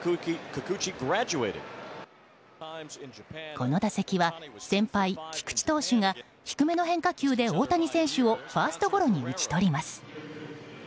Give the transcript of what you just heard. この打席は先輩・菊池投手が低めの変化球で大谷選手をファーストゴロに打ち取ります。